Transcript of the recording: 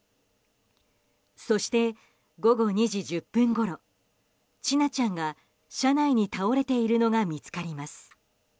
そして午後２時１０分ごろ千奈ちゃんが車内に倒れているのが見つかります。